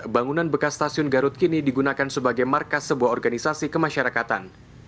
bangunan bekas stasiun garut kini digunakan sebagai markas sebuah organisasi kemasyarakatan